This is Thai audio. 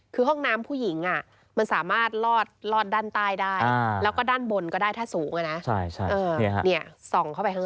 คือห้องน้ำผู้หญิงมันสามารถลอดด้านใต้ได้แล้วก็ด้านบนก็ได้ถ้าสูงเข้าไปข้าง